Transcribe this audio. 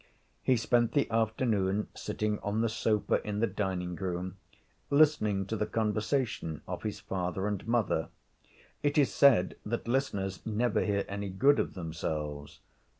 He spent the afternoon sitting on the sofa in the dining room, listening to the conversation of his father and mother. It is said that listeners never hear any good of themselves.